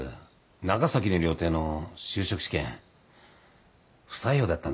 長崎の料亭の就職試験不採用だったんだよ。